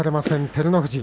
照ノ富士。